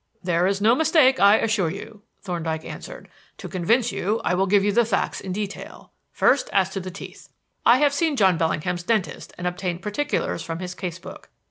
"There is no mistake, I assure you," Thorndyke answered. "To convince you, I will give you the facts in detail. First, as to the teeth. I have seen John Bellingham's dentist and obtained particulars from his case book.